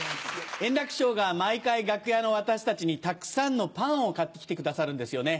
円楽師匠が毎回楽屋の私たちにたくさんのパンを買って来てくださるんですよね。